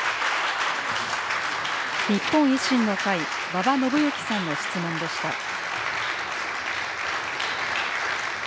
日本維新の会、馬場伸幸さんの質問でした。